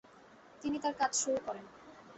তিনি তার কাজ শুরু করেন।